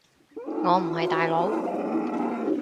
我唔係大佬